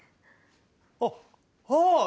あっああっ！